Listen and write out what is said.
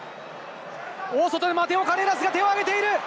大外、マテオ・カレーラスが手を挙げている！